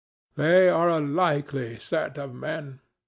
They are a likely set of men.